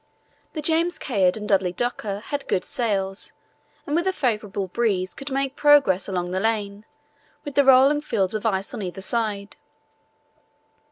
The James Caird and Dudley Docker had good sails and with a favourable breeze could make progress along the lane, with the rolling fields of ice on either side.